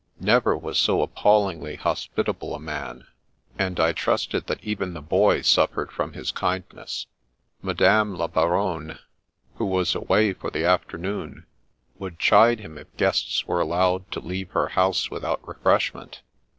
Never was so appallingly hospitable a man, and I trusted that even the Boy suffered from his kind ness. Madame la Baronne, who was away for the afternoon, would chide him if guests were allowed to leave her house without refreshment.